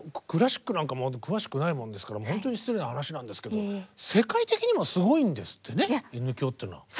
クラシックなんかも詳しくないものですから本当に失礼な話なんですけど世界的にもすごいんですってねＮ響っていうのは。